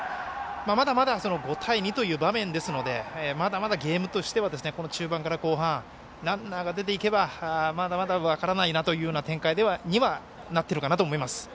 まだまだ５対２という場面ですのでまだまだゲームとしては中盤から後半ランナーが出ていけばまだまだ分からないなという展開にはなっているかなと思います。